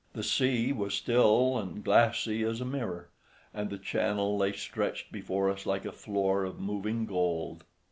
The sea was still and glassy as a mirror, and the Channel lay stretched before us like a floor of moving gold.